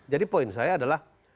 jadi poin saya adalah